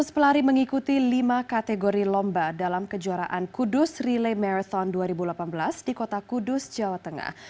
lima belas pelari mengikuti lima kategori lomba dalam kejuaraan kudus relay maritown dua ribu delapan belas di kota kudus jawa tengah